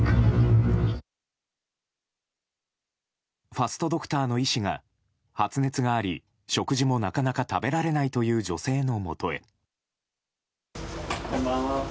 ファストドクターの医師が発熱があり、食事もなかなか食べられないという女性のもとへ。